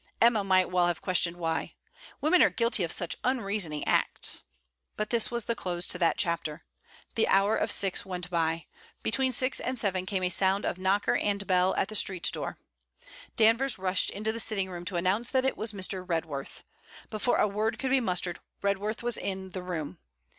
Emma might well have questioned why! Women are guilty of such unreasoning acts! But this was the close to that chapter. The hour of six went by. Between six and seven came a sound of knocker and bell at the street door. Danvers rushed into the sitting room to announce that it was Mr. Redworth. Before a word could be mustered, Redworth was in the room.